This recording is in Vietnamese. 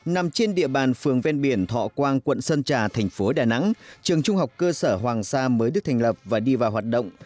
nằm trên địa bàn phường ven biển thọ quang quận sơn trà thành phố đà nẵng trường trung học cơ sở hoàng sa mới được thành lập và đi vào hoạt động